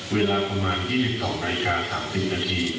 เวลาประมาณสี่สิบสองรายการสามสิบนาที